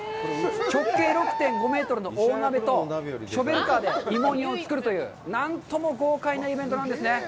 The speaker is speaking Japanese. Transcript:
直径６．５メートルの大鍋と、ショベルカーで芋煮を作るという何とも豪快なイベントなんですねえ。